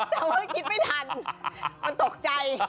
แต่ว่าคิดไม่ทันมันตกใจ